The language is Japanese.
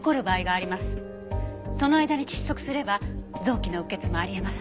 その間に窒息すれば臓器のうっ血もあり得ます。